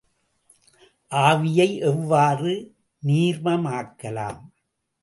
ஆவியை எவ்வாறு நீர்மமாக்கலாம்?